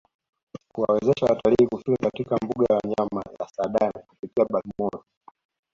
Kuwawezesha watalii kufika katika mbuga ya wanyama ya Saadani kupitia Bagamoyo